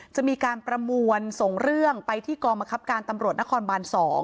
จะมีการประมวลส่งเรื่องไปที่กองบังคับการตำรวจนครบาน๒